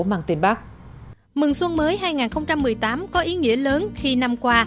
mừng xuân mới hai nghìn một mươi tám có ý nghĩa lớn khi năm qua